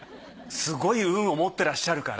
すごい運を持ってらっしゃるから。